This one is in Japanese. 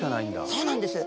そうなんです！